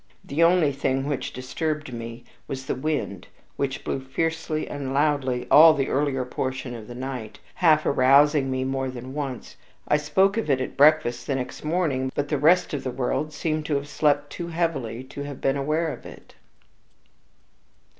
The only thing which disturbed me was the wind, which blew fiercely and loudly all the earlier portion of the night, half arousing me more than once. I spoke of it at breakfast the next morning; but the rest of the world seemed to have slept too heavily to have been aware of it.